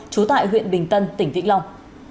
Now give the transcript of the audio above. trú tại huyện bình tân tỉnh vĩnh long